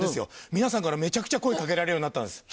皆さんからめちゃくちゃ声かけられるようになったんです。